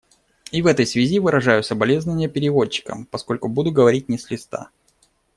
И в этой связи выражаю соболезнование переводчикам, поскольку буду говорить не с листа.